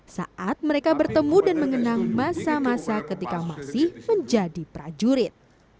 saat mereka bertemu dan mengenang masa masa ketika masih menjadi prajurit